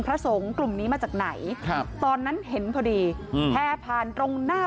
พระสงฆ์กลุ่มนี้มาจากไหนครับตอนนั้นเห็นพอดีแพร่ผ่านตรงหน้า